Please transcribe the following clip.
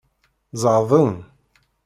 Zeɛḍen.